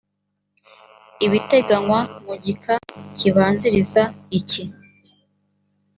ibiteganywa mu gika kibanziriza iki